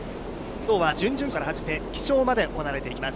きょうは準々決勝から始まって決勝まで行われていきます。